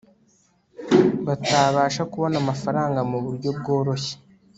batabasha kubona amafaranga mu buryo bworoshye